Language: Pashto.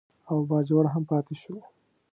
او باجوړ هم پاتې شو.